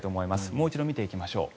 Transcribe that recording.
もう一度見ていきましょう。